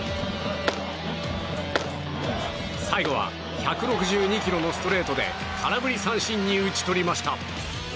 最後は１６２キロのストレートで空振り三振に打ち取りました。